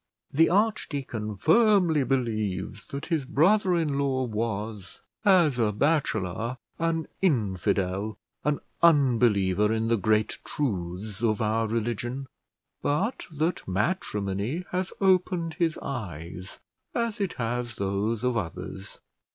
The archdeacon firmly believes that his brother in law was, as a bachelor, an infidel, an unbeliever in the great truths of our religion; but that matrimony has opened his eyes, as it has those of others.